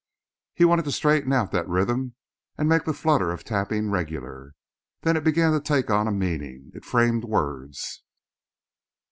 He wanted to straighten out that rhythm and make the flutter of tapping regular. Then it began to take on a meaning; it framed words.